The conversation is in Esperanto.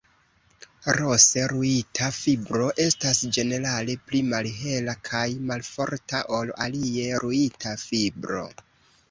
Rose ruita fibro estas ĝenerale pli malhela kaj malforta ol alie ruita fibro.